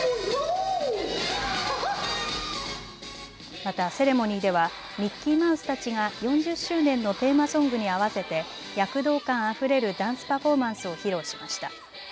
またセレモニーではミッキーマウスたちが４０周年のテーマソングに合わせて躍動感あふれるダンスパフォーマンスを披露しました。